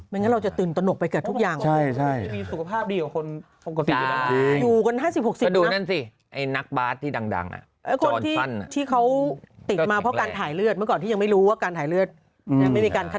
งั้นเราจะตื่นตนกไปเกือบทุกอย่าง